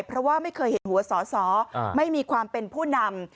เพราะว่าไม่เคยเห็นหัวสอสอไม่มีความเป็นผู้นำ